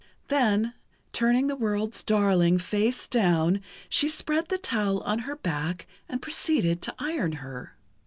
Then, turning the world's darling face down, she spread the towel on her back and proceeded to iron her.